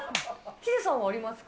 ヒデさんはありますか。